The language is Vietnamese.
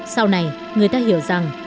sau này người ta hiểu rằng